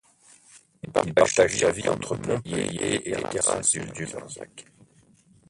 Il partage sa vie entre Montpellier et les terrasses du Larzac.